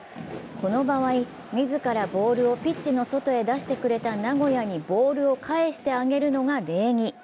この場合、自らボールをピッチの外へ出してくれた名古屋へボールを返してあげるのが礼儀。